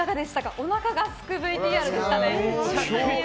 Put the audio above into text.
おなかがすくＶＴＲでしたね。